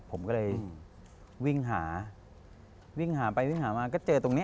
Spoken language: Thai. ผมก็เลยวิ่งหาวิ่งหาไปวิ่งหามาก็เจอตรงนี้